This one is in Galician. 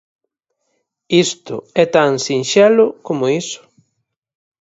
Isto é tan sinxelo como iso.